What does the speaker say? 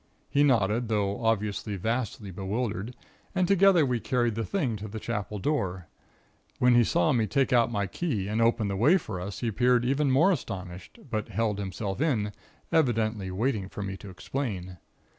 He nodded, though obviously vastly bewildered, and together we carried the thing to the Chapel door. When he saw me take out my key and open the way for us he appeared even more astonished, but held himself in, evidently waiting for me to explain.